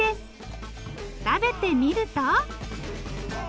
食べてみると。